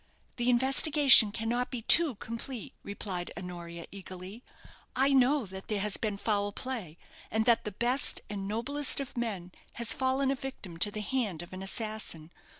"The investigation cannot be too complete," replied Honoria, eagerly. "I know that there has been foul play, and that the best and noblest of men has fallen a victim to the hand of an assassin.